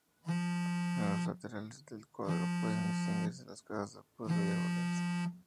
En los laterales del cuadro pueden distinguirse las casas del pueblo y árboles.